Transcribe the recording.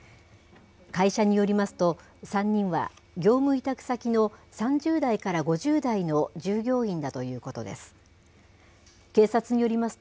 会社によりますと、３人は業務委託先の３０代から５０代の従業員だということです。